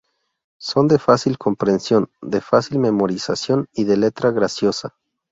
Son de fácil comprensión, de fácil memorización, y de letra graciosa.